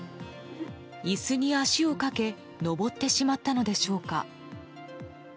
椅子に足をかけ上ってしまったのでしょうか。